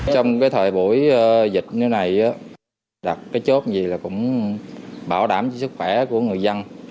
trong thời buổi dịch như thế này đặt cái chốt gì là cũng bảo đảm cho sức khỏe của người dân